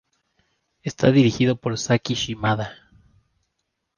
Está dirigido por Saki Shimada.